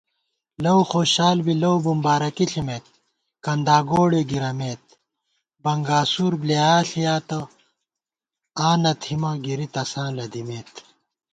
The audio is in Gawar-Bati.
لؤخوشال بی لؤ بُمبارَکی ݪِمېت کنداگوڑےگِرَمېت * بنگاسُور بۡلیایا ݪِیاتہ آں نہ تھِمہ گرِی تساں لېدِمېت